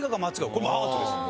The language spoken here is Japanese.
これもうアートですよ。